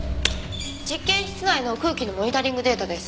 実験室内の空気のモニタリングデータです。